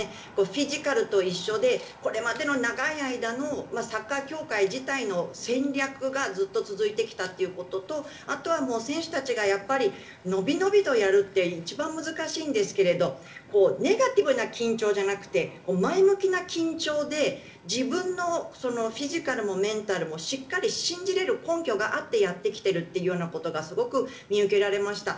フィジカルと一緒でこれまでの長い間のサッカー協会自体の戦略がずっと続いてきたということとあとは選手たちがのびのびとやるという一番難しいんですがネガティブな緊張じゃなくて前向きな緊張で自分のフィジカルもメンタルもしっかり信じられる根拠があってやってきているということがすごく見受けられました。